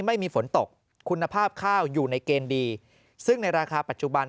ไม่มีฝนตกคุณภาพข้าวอยู่ในเกณฑ์ดีซึ่งในราคาปัจจุบัน